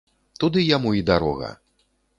Туды яму і дарога!